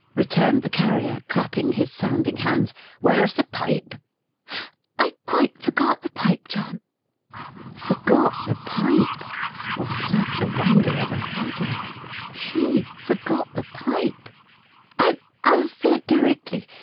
returned the Carrier, clapping his sounding hands. "Where's the Pipe?" "I quite forgot the pipe, John." Forgot the Pipe! Was such a wonder ever heard of! She! Forgot the Pipe! "I'll I'll fill it directly.